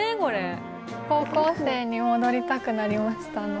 これ高校生に戻りたくなりました